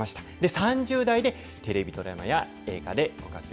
３０代でテレビドラマや映画でご活躍。